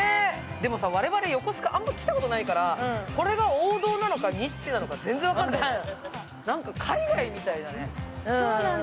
でもさ我々、横須賀、あんまり来たことないからこれが王道なのかニッチなのか全然分からない。